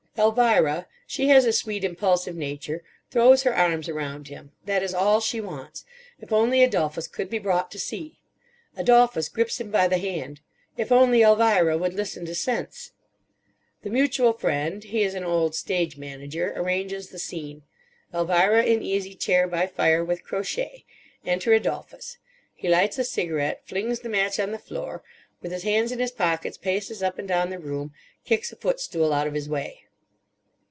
Elvira—she has a sweet, impulsive nature—throws her arms around him: that is all she wants. If only Adolphus could be brought to see! Adolphus grips him by the hand. If only Elvira would listen to sense! The mutual friend—he is an old stage manager—arranges the scene: Elvira in easy chair by fire with crochet. Enter Adolphus. He lights a cigarette; flings the match on the floor; with his hands in his pockets paces up and down the room; kicks a footstool out of his way.